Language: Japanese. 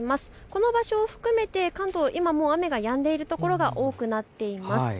この場所を含めて関東、今も雨がやんでいる所が多くなっています。